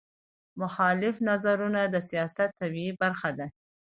مخالف نظرونه د سیاست طبیعي برخه ده